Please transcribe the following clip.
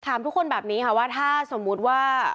ถามทุกคนแบบนี้ค่ะว่าถ้าสมมุติว่า